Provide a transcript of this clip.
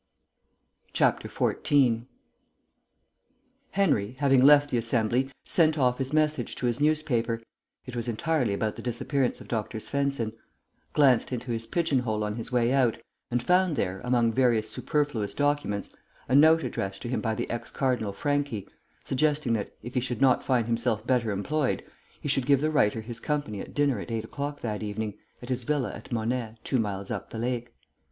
14 Henry, having left the Assembly, sent off his message to his newspaper (it was entirely about the disappearance of Dr. Svensen), glanced into his pigeon hole on his way out, and found there, among various superfluous documents, a note addressed to him by the ex cardinal Franchi, suggesting that, if he should not find himself better employed, he should give the writer his company at dinner at eight o'clock that evening, at his villa at Monet, two miles up the lake.